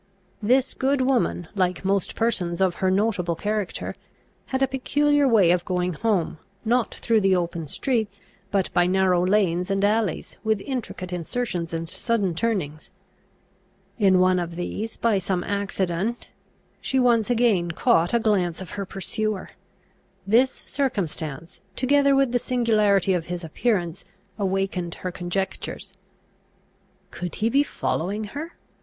This good woman, like most persons of her notable character, had a peculiar way of going home, not through the open streets, but by narrow lanes and alleys, with intricate insertions and sudden turnings. In one of these, by some accident, she once again caught a glance of her pursuer. This circumstance, together with the singularity of his appearance, awakened her conjectures. Could he be following her?